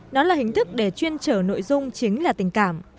nó là hình thức để chuyên trở nội dung chính là tình cảm